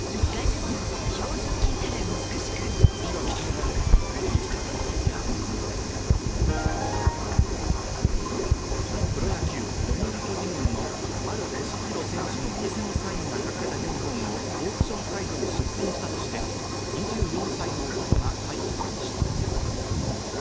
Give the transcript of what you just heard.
中国の不動産大手・恒大集団の経営悪化に対する懸念などからプロ野球・読売巨人軍の丸佳浩選手の偽のサインが書かれたユニホームをオークションサイトに出品したとして、２４歳の男が逮捕されました。